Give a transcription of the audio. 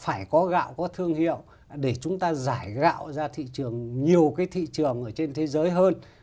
phải có gạo có thương hiệu để chúng ta giải gạo ra thị trường nhiều cái thị trường ở trên thế giới hơn